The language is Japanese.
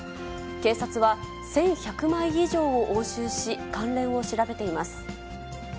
警察は１１００枚以上を押収し、関連を調べています。